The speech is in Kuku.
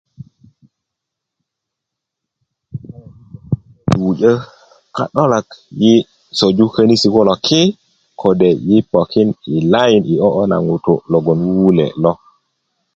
pujö ka'dolak yi' soju könisi kulo ki kode yi pokin yi line yi ooo na ŋutu' logbon wuwule lo